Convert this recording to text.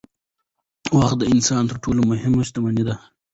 وخت د انسان تر ټولو مهمه شتمني ده